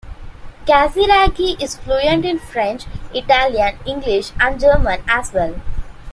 Casiraghi is fluent in French, Italian, English and German as well.